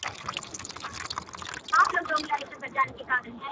o پښتون ماحول د ځان په هكله څه ويلاى نســــــم.